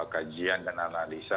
kajian dan analisa